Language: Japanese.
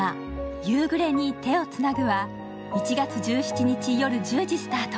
「夕暮れに、手をつなぐ」は１月１７日夜１０時スタート。